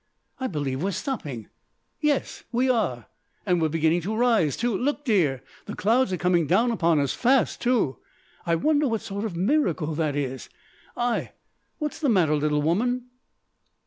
I believe we're stopping yes, we are and we're beginning to rise, too. Look, dear, the clouds are coming down upon us fast too! I wonder what sort of miracle that is. Ay, what's the matter, little woman?"